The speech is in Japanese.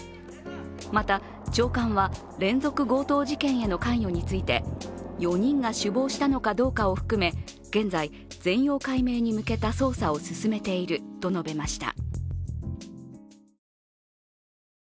また、長官は連続強盗事件への関与について４人が首謀したのかどうかを含め現在、全容解明に向けた捜査を進めていると述べました。